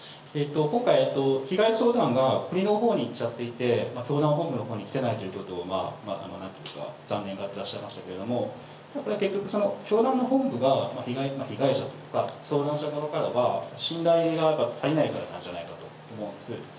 今回、被害相談が国のほうにいっちゃっていて、教団本部のほうに来ていないということを残念がってらっしゃいましたけれども、これは結局、教団の本部が、被害者とか、相談者側からは、信頼が足りないからなんじゃないかと思うんです。